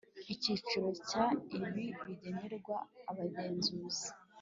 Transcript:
Icyiciro cya Ibindi bigenerwa Abagenzuzi